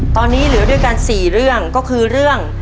ตอนนี้เหลือด้วยกัน๔เรื่องก็คือเรื่อง